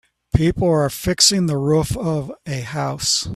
People are fixing the roof of a house